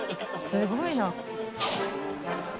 すごいな。